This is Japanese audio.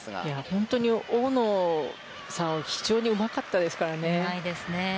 本当に大野さんは非常にうまかったですからね。